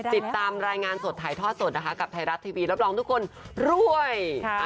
ติดตามรายงานสดถ่ายทอดสดนะคะกับไทยรัฐทีวีรับรองทุกคนรวย